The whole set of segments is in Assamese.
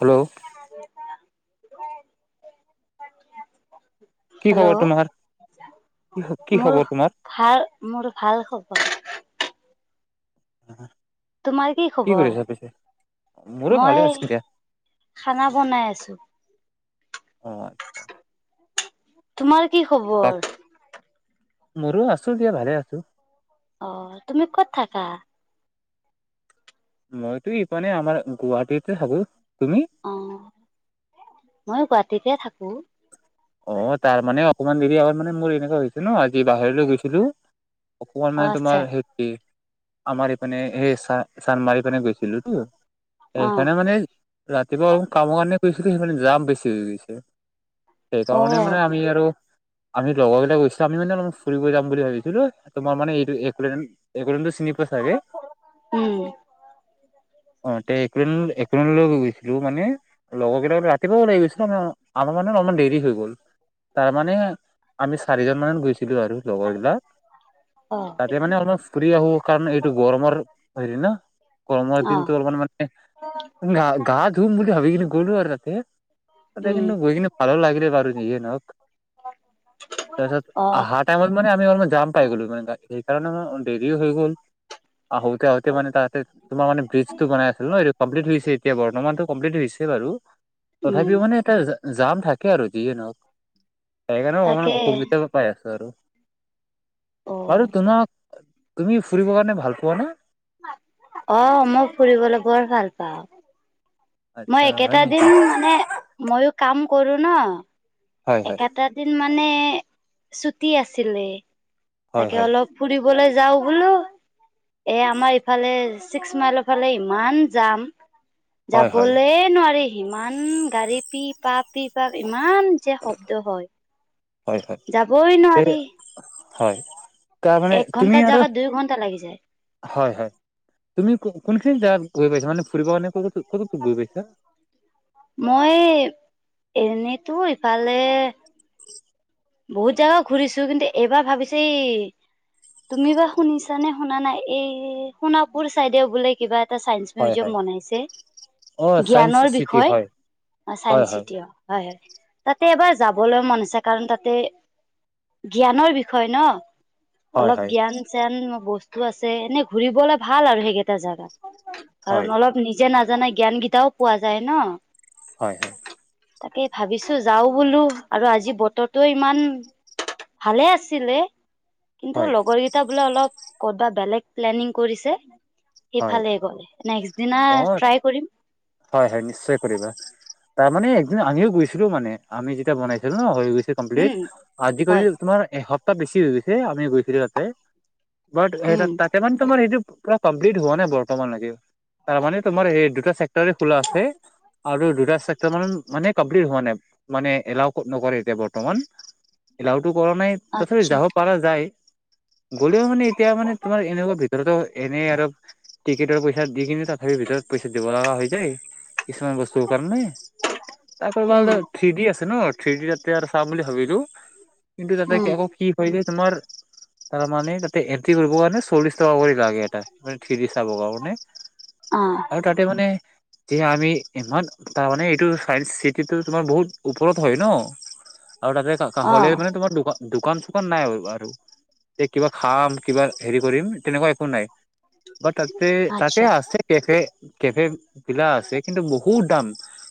হেল্ল' [unintelligible] কি খবৰ হেল্ল' তোমাৰ? কি কি মোৰ খবৰ তোমাৰ? ভাল, মোৰ ভাল খবৰ। উম। তোমাৰ কি খবৰ? মোৰো ভালে মই এই আছে দিয়া খানা বনাই আছো। অহ। তোমাৰ কি বাক খবৰ? মোৰো আছো দিয়া ভালে আছো। অ তুমি ক'ত থাকা? মইতো ইপানে আমাৰ গুৱাহাটীতে থাকো। তুমি? অ মই গুৱাহাটীতে থাকো। অ তাৰ মানে অকমান দেৰি আগত মানে মোৰ এনেকা হৈছে ন আজি বাহিৰলৈ গৈছিলো অকমান অ মানে আচ্ছা তোমাৰ হেৰি আমাৰ এইপিনে এই চা-চানমাৰি পিনে চান্মাৰিফানে গৈছিলোতো। অ সেইফানে মানে ৰাতিপুৱা অলপ কামৰ কাৰণে কৰিছিলোঁ। সেই মানে জাম বেছি হৈ গৈছে। অ সেইকাৰণে মানে আমি আৰু। আমি লগৰবিলাক গৈছিলোঁ। আমি মানে অলপ ফুৰিবলৈ যাম বুলি ভাবিছিলোঁ। তোমাৰ মানে এইটোৱে, এই কনতো চিনি পাইছাগে। উম অ', তে এপ্ৰিল এপ্ৰিল লৈ গৈছিলোঁ মানে। লগৰ কেইটাক লৈ ৰাতিপুৱা ওলাই গৈছিল। আ আমাৰ মানে অলপ দেৰি হৈ গ'ল। তাৰমানে, আমি চাৰিজন মান গৈছিলোঁ আৰু লগৰ বিলাক। অ তাতে মানে অলপমান ফুৰি আহোঁ কাৰণ এইটো গৰমৰ হেৰি না। গৰমৰ অ দিনটো অলপমান মানে। গা ধুম বুলি ভাবি কিনে গ'লো আৰু তাতে। তাতে উম কিন্তু গৈ কিনে ভালো লাগে দে। বাৰু যিয়ে নহওঁক, তাৰ পিছত অ আহাত- টাইমত মানে আমি অলপ জাম পাই গ'লো মানে। সেইকাৰণে অলপমান দেৰিও হৈ গ'ল। আহোতে আহোতে মানে তাতে, তোমাৰ মানে ব্ৰিজ টো বনাই আছিল ন এইটো। কমপ্লিট হৈছে এতিয়া। বৰ্তমানতো কমপ্লিট হৈছে বাৰু, উম তথাপিও মানে এটা জাম থাকে আৰু। যিয়ে নহওঁক, সেইকাৰণেও অকমান তাকে অসুবিধা পাই আছোঁ আৰু। অ বাৰু তোমাক, তুমি ফুৰিব কাৰণে ভাল পোৱা না। অ', মই ফুৰিবলৈ বৰ ভাল পাওঁ। মই আচ্ছা হয় একেটা দিন নেকি মানে ময়ো কাম কৰো ন। হয় হয় এইকেইটা দিন মানে ছুটি আছিলে। হয় তাকে হয় অলপ ফুৰিবলৈ যাওঁ বোলো। এ আমাৰ ইফালে ছিক্স মাইলৰ ফালে ইমান যাম। হয় হয় যাবলেই নোৱাৰি, ইমান গাড়ী। পি পাপ, পি পাপ ইমান যে শব্দ হয়। হয় হয়। যাবই নোৱাৰি হয়। তাৰমানে এক তুমি ঘন্টাৰ আৰু। জাগাত দুই ঘন্টা লাগি যায় হয় হয়, তুমি কোনখিনি জাগাত গৈ পাইছাঁ, মানে ফুৰিব নে ক' কত গৈ পাইছাঁ। মই এনেইতো ইফালে- বহুত জাগা ঘূৰিছোঁ কিন্তু এইবাৰ ভাবিছো এই তুমি বা শুনিছা নে শুনা নাই, এই সোণাপুৰ চাইদে বোলে কিবা। এটা চাইন্স হয় মিউজিয়াম হয় বনাইছে। অ চাইন্স জ্ঞানৰ চিটি বিষয় হয় চাইন্স হয় হয় চিটীয়ো। হয় হয়। তাতে এবাৰ যাবলৈ মন আছে, কাৰণ তাতে- তাতে জ্ঞানৰ বিষয় ন। হয় অলপ হয় জ্ঞান- ন বস্তু আছে, এনে ঘুৰিবলে ভাল আৰু সেইকেইটা জেগা, হয় কাৰণ অলপ নি যে নাজানা জ্ঞান কেইতাও পোৱা যায় ন। হয় হয়। তাকে ভাবিছোঁ যাওঁ বোলো। আৰু আজি বতৰ তটো ইমান, ভালে আছিলে কিন্তু হয় লগৰকেইটা- লগৰ বোৰে অলপ ক'তবা বেলেগ প্লেনিঙ কৰিছে, হয় সেইফালে গ'লে। দিনা অ ট্ৰাই কৰিম। হয় হয়, নিশ্চয় কৰিবা। তাৰমানে একদিন আমিও গৈছিলোঁ মানে। আমি যেতিয়া বনাইছিলোঁ ন হৈ গৈছে। উম আদি হয় কৰি তোমাৰ এসপ্তাহ বেছি হৈ গৈছে, আমি গৈছিলোঁ তাতে। উম বাত তাতে মানে তোমাৰ সেইটো পুৰা কমপ্লিট হোৱা নাই বৰ্তমান লৈকে। তাৰমানে তোমাৰ এই দুটা চেক্টৰে খোলা আছে। আৰু দুটা চেক্টৰ মান মানে কমপ্লিট হোৱা নাই। মানে এলাও নকৰে এতিয়া বৰ্তমান। এলাওটো কৰা নাই, তথাপি আচ্ছা যাব পৰা যায়। গ'লেও মানে, এতিয়া মানে তোমাৰ এনেকুৱা ভিতৰতো এনে আৰু টিকটৰ পইচা দি কিনে তথাপি ভিতৰত পইচা দিব লগা। দেই, কিছুমান বস্তু কাৰনে উম তাৰপৰা- থ্ৰী ডি আছে ন, থ্ৰী ডি তাতে আৰু চাম বুলি ভাবিলোঁ কিন্তু তাতে উম আকৌ কি? তাৰমানে তাতে এন্ত্ৰি কৰিব কাৰণে তোমাৰ চল্লিছ টকা কৰি লাগে এটা মানে থ্ৰী ডি চাব কাৰণে মানে অ আৰু তাতে মানে যে আমি ইমান তাৰমানে এইটো চাইন্স চিটিতো তোমাৰ বহুত ওপৰত হয় ন' আৰু তাতে অ হ'লে মানে তোমাৰ দোকা দোকান চোকান নাই আৰু। এ, কিবা খাম, কিবা হেৰি কৰিম তেনেকুৱা একো নাই। বা তাতে তাতে আচ্ছা আছে কেফে, কেফে পিলা আছে কিন্তু বহুত দাম,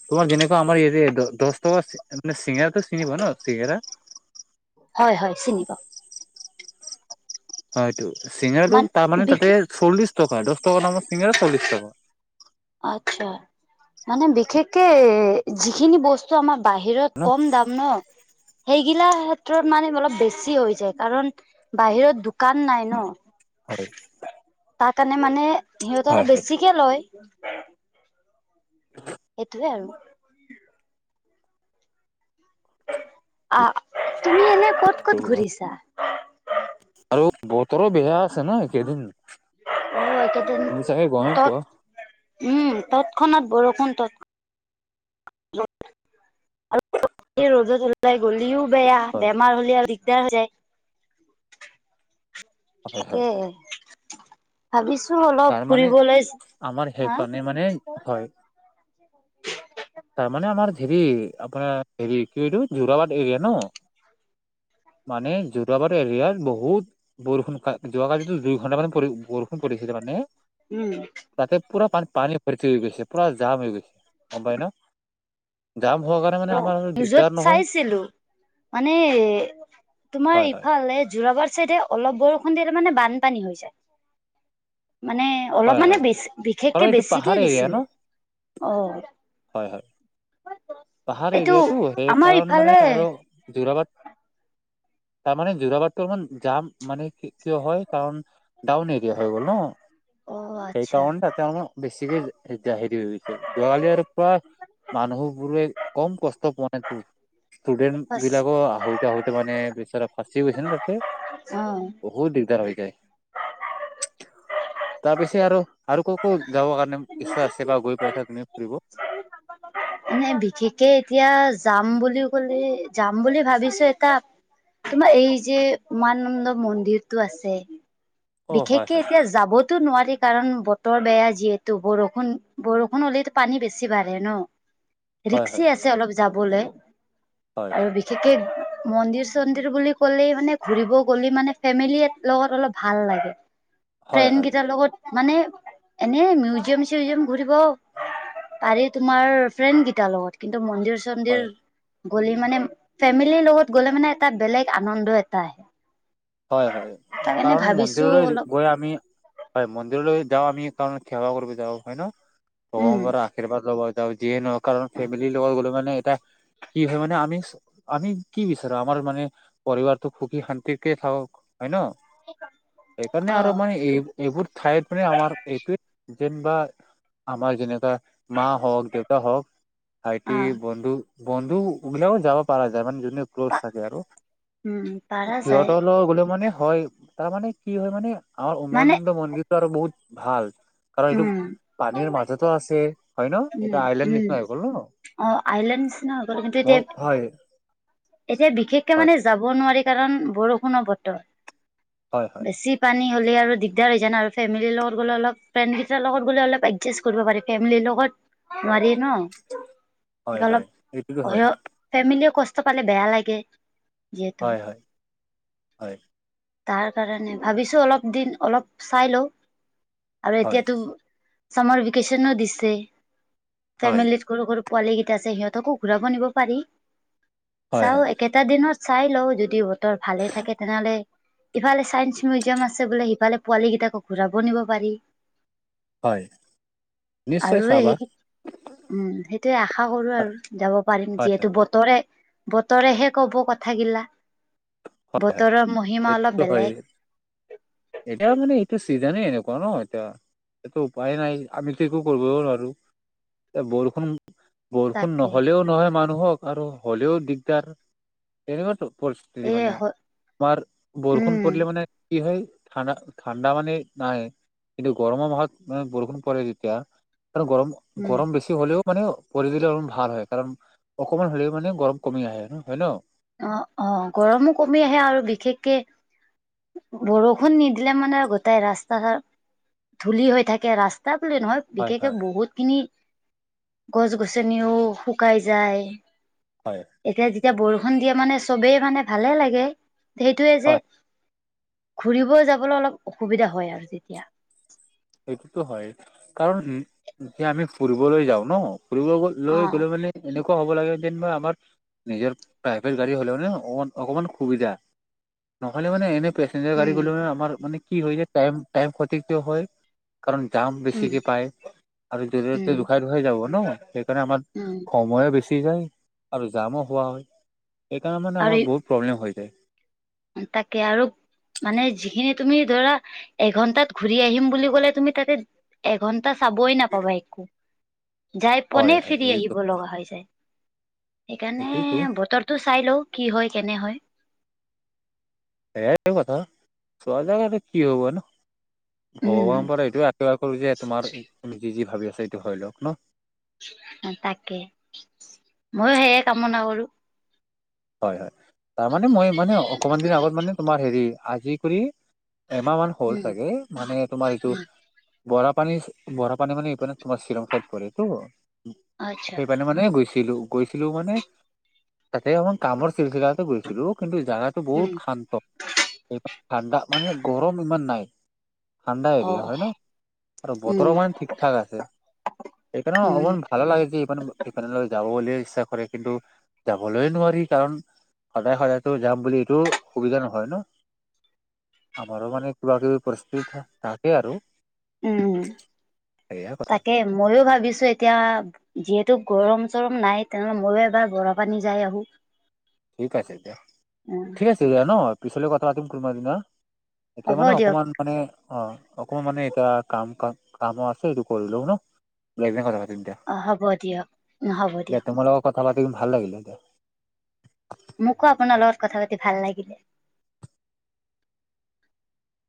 তোমাৰ যেনেকুৱা আমাৰ ইয়াৰে দহ টকা মানে চিঙৰাটো চিঙৰা চিনি পোৱা ন' চিঙৰা? হয় হয়, চিনি পাওঁ। হয় এইটো, চিঙৰাটো মান তাৰমানে তাতে বিশেষ চল্লিশ টকা, দহ টকা দামৰ চিঙৰা চল্লিশ টকা। আচ্ছা, মানে বিশেষকে যিখিনি বস্তু চ' আমাৰ বাহিৰত ন কম দাম ন'। সেইগিলা ক্ষেত্ৰত মানে অলপ বেছি হৈ যায় কাৰণ বাহিৰত দোকান নাই ন'। হয়। তাৰ কাৰণে মানে সিহঁতে অলপ হয় বেছিকে লয়। হেইটোৱে আৰু। আ, তুমি এনে ক'ত ক'ত ঘুৰিছা? আৰু বতৰো বেয়া আছে ন' এই কেইদিন? অ' একেইদিন গমেই তত, পোৱা উম, তৎক্ষণাত বৰষুণ, তৎ পিছত এই ৰ'দত ওলাই গলিও বেয়া, হয় বেমাৰ হ'লে আৰু দিগদাৰ হৈ যায়। হয় হয় তাকে। ভাবিছোঁ অলপ তাৰমানে ফুৰিবলৈ, আমাৰ হা সেইফালে মানে হয় তাৰমানে আমাৰ হেৰি আপোনাৰ হেৰি কি এইটো জোৰাবাট এৰিয়া ন'। মানে যোৰাবাট এৰিয়াত বহুত বৰষুন কা যোৱাকলিতো দুই ঘণ্টা মানে পৰি বৰষুন পৰি তেতে মানে, উম। তাতে পুৰা পান পানী বৰ্তি হৈ গৈছে, পুৰা জাম হৈ গৈছে, গম পাই ন'? জাম হোৱাৰ কাৰণে মানে অ' আমাৰ নিউজত দিগদাৰ নহয় চাইছিলোঁ। মানে তোমাৰ হয় হয় ইফালে যোৰাবাট চাইডে অলপ বৰষুণ দি তাৰমানে বানপানী হৈ যায়, মানে হয় অলপ হয় মানে বেছ কাৰণ বিশেষকে এইটো পাহাৰ বেছিকে এৰিয়া ন দিছিলে, অ'। হয় হয়। পাহাৰ এইটো এৰিয়াটো আমাৰ সেইকাৰনে মানে ইফালে আৰু যোৰাবাট তাৰমানে জোৰাবাটটো অলমান জাম মানে কি কিয় হয় কাৰণ ডাউন এৰিয়া হৈ গ'ল ন'। অ আচ্ছা। সেইকাৰণ তাতে অলপ বেছিকে জাহিৰী হৈ গৈছে, যোৱাকালি আৰু পুৰা মানুহবোৰে কম কষ্ট পোৱা নাইতো। ষ্টুডেণ্টবিলাক আহোতে আহোতে মানে বেচেৰা ফাঁচি গৈছে ন' তাতে। অ'। বহুত দিগদাৰ হৈ যায়। তাৰ পিছে আৰু আৰু ক' ক' যাবৰ কাৰণে ইচ্ছা আছে বা গৈ পাইছা তুমি ফুৰিব? মানে বিশেষকে এতিয়া যাম বুলিও কলে যাম বুলি ভাবিছোঁ এটা তোমাৰ এই যে উমানন্দ মন্দিৰটো আছে, অ হয় বিশেষকে হয় এতিয়া যাবতো নোৱাৰি কাৰণ বতৰ বেয়া যিহেতু বৰষুণ, বৰষুণ হ'লেতো পানী বেছি বাঢ়ে ন'। হয় হয় ৰিক্সি আছে অলপ যাবলে। হয়। আৰু বিশেষকৈ মন্দিৰ চন্দিৰ বুলি ক'লেই মানে, ঘূৰিব গ'লে মানে ফেমিলিত লগত অলপ ভাল লাগে। হয় হয় ফ্ৰেণ্ডকেইটাৰ লগত মানে এনে মিউজিয়াম চিউজিয়াম ঘূৰিব পাৰি তোমাৰ ফ্ৰেণ্ডকেইটাৰ লগত কিন্তু মন্দিৰ হয় চন্দিৰ গ'লে মানে ফেমিলিৰ লগত গ'লে মানে এটা বেলেগ আনন্দ এটা আহে। হয় হয়, তাৰ কাৰণে কাৰণ ভাবিছো মন্দিৰলৈ অলপ গৈ আমি হয় মন্দিৰলৈ যাওঁ আমি কাৰণে সেৱা কৰিব যাওঁ হয় ন, উম ভগৱানৰ পৰা আৰ্শীৰ্বাদ লব যিয়ে নহ কাৰণ ফেমিলিৰ লগত গ'লে মানে এটা কি হয় মানে আমি, আমি কি বিচাৰো আমাৰ মানে পৰিবাৰটো সুখী শান্তিত থওক হয় ন, সেইকাৰণে অ আৰু মানে এই এইবোৰ ঠাইত মানে আমাৰ এইটোৱ যেনিবা, আমাৰ যেনুবা মা হওঁক দেউতা হওঁক ভাইটি অ বন্ধু, বন্ধু বিলাকেও যাব পাৰা যায় মানে যদিও ক্ল'জ থাকে আৰু উম পাৰা। যায় সিহঁতৰ গ'লে মানে হয় তাৰমানানে কি হয় মানে, আমাৰ মানে উমানন্দ মন্দিৰটো আৰু বহুত ভাল কাৰণ এইটো উম পানীৰ মাজটো আছে হয় ন, উম এইটো আইলণ্ড উম নিচি নয় [unintelligible] [inaudible] গ ন অ', আইলেণ্ডছ হৈ গ'ল কিন্তু, মই এতিয়া হয় এতিয়া বিশেষকে হয় মানে যাব নোৱাৰি কাৰণ, বৰষুণৰ বতৰ হয় হয় বেছি পানী হ'লে আৰু দিগদাৰ হৈ যায় ন, আৰু ফেমিলিৰ লগত গ'লে অলপ ফ্ৰেনড কেইটাৰ লগত গ'লে অলপ এডজা কৰিব পাৰি ফেমিলিৰ লগত নোৱাৰি ন হয় অলপ হয় এইটোতো হয় ফেমিলীয়ে কষ্ট পালে বেয়া লাগে। গটো হয় হয় হয় [unintelligible] তাৰ কাৰণে ভাবিছোঁ, অলপ দিন অলপ চাই লওঁ আৰু হয় এতিয়াটো চামাৰ ভেকেশচনো দিছে হয় ফেমিল সৰু সৰু পোৱালি কেইটা আছে সিহঁতকো ঘূৰাব নিব পাৰি। হয় চাওঁ, হয় একেটা দিনত চাই লওঁ যদি বতৰ ভালে থাকে তেনেহ'লে ইফালে চায়ন্স মিউজিয়াম আছে বোলে, সিালে পোৱালী কেইটাকো ঘূৰাব নিব পাৰি। হয় নিশ্চয় আৰু সেই চাবা উম, সেইটোৱে আশা কৰো আৰু। যাব পাৰিম হয় হয় যিহেতু, বতৰে বতৰেহে কব কথাবিলাক হয় হয় বতৰৰ মহিমা এইটো অলপ হয় বেলেগ। এতিয়া মানে এইটো চিজনে এনেকুৱা ন এতিয়া এইটো উপায় নাই, আমিটো একো কৰিবও নোৱাৰো এ বৰষুণ বৰষুণ তাকে নহ'লেও নহয় মানুহক, আৰু হ'লেও দিগদাৰ। এনেকুৱাো পৰিস্থিতি এ মানে তোমাৰ বৰষুণ উম পৰিলে মানে কি হয় ঠা ঠাণ্ডা মানে নাই কিন্তু, গৰমৰ মাহত মান বৰষুণ পৰে যেতিয়া গৰম উম গৰম বেছি হ'লেও মানে পৰি দিলে অলমান ভাল হয়, কাৰণ অকমান হ'লেও মানে গৰম কমি আহে ন হয় নে ন? অ অ', গৰমো কমি আহে আৰু বিশেষকে বৰষুণ নিদিলে মানে গোটাই ৰাস্তা ঘাট ধূলি হৈ থাকে, ৰাস্তা বোলি নহয় হয় বিশেষকে হয় বহুত খিনি গছ গছনিও শুকাই যায়। হয় এতিয়া যেতিয়া বৰষুণ দিয়ে মানে চবেই মানে ভালে লাগে, সেইটোৱে যে হয় ঘুৰিব যাবলৈ অলপ অসুবিধা হয় আৰু তেতিয়া। সেইটোটো হয় কাৰণ, উম যে আমি ফুৰিবলৈ যাওঁ ন ফুৰিব অ লৈ গ'লে মানে এনেকুৱা হ'ব লাগে যেন মই আমাৰ নিজৰ প্ৰাইভেট গাড়ী হ'লে মানে অ অকমান সুবিধা, নহ'লে মানে এনেে পেঞ্জাৰ গাডী উম গ'লে আমাৰ মানে কি হয়, টাইম ক্ষতি কিয় হয় কাৰণ জাম উম বেছিকে পায়, আৰু য'তে উম ত'তে দুুখাই দুুখাই যাব ন সেইকাৰণে আমাৰ উম সময়ো বেছি যায় আৰু জামো হোৱা হয়, সেইকাৰণে মানে আমাৰ আৰু বহুত প্ৰব্লেম হৈ যায় তাকে আৰু মানে যিখিনি তুমি ধৰা এঘন্টাত ঘূৰি আহিম বুলি ক'লে তুমি তাতে এঘণ্টা চাবই নাপাবা, একো। যাই পিনে, হয় হয় [unintelligible] এইটো আহিব লগা হৈ যায়। সেইকাৰণে, এইটোতো বতৰ ত' চাই লওঁ, কি হয়, কেনে হয়? সেইয়াই কথা। চোৱা জাগাটো কি হ'ব? উম ভগৱানৰ পৰা এইটোৱে, [unintelligible] কৰোঁ যে তোমাৰ, তুমি যি ভাবি আছা, সেইটো হয় লওঁক ন'। তাকে, মইয়ো সেয়ে, কামনা কৰোঁ। হয়, হয়। তাৰমানে, মই মানে, অকমান দিন আগত মানে, তোমাৰ হেৰি, আজি কৰি এমাহ মান হ'ল উম চাগে। মানে, তোমাৰ এইটো উম বৰা পানী-বৰা পানী মানে, এইপিনে তোমাৰ, শ্বিলং চাইড পৰেতো। আচ্ছা সেইকাৰণে মানে, গৈছিলোঁ। গৈছিলোঁ মানে, তাতে আমাক কামৰ চিলচিলাতে গৈছিলোঁ। কিন্তু, জাগাটো উম বহুত শান্ত! এইবাৰ ঠাণ্ডা মানে, গৰম ইমান নাই। ঠাণ্ডা অ এৰিয়া হয়, ন'? আৰু উম বতৰ মানে, ঠিক-ঠাক আছে। সেইকাৰণে, উম অকমান ভাল লাগে, কি মানে, যাবলে ইচ্ছা কৰে। কিন্তু, যাবলৈ নোৱাৰি। কাৰণ, সদায়-সদায়তো যাম বুলি, এইটো সুবিধা নহয়, ন'! আমাৰো মানে, কিবা-কিবি পৰিস্থিতি থাকে আৰু। উম! সেয়া কথা তাকে, মইয়ো ভাবিছোঁ! এতিয়া, যিহেতু, গৰম-চৰম নাই। তেনেহ'লে, মইয়ো এবাৰ বৰা পানী যাই আহোঁ। ঠিক আছে, দিয়া। ঠিক আছে, দিয়া ন'! পিছলৈ কথা পাতিম, কোনোবা এদিন হা। তাকে, হ'ব মানে দিয়ক অকমান মানে, অ'! অকমান মানে, এতিয়া, কাম-কাম, কামো আছে, সেইটো কৰি লও ন'। কৰি পিনে, কথা পাতিম দিয়া। অ'! হ'ব দিয়ক, উম! হ'ব দিয়া দিয়ক। তোমাৰ লগত কথা পাতি ভাল লাগিলে! মোকো, আপোনাৰ লগত কথা পাতি ভাল লাগিলে!